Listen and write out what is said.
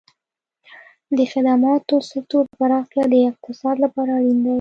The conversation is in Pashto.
د خدماتو سکتور پراختیا د اقتصاد لپاره اړین دی.